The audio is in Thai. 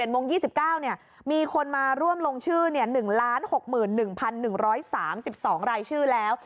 โมง๒๙มีคนมาร่วมลงชื่อ๑๖๑๑๓๒รายชื่อแล้ว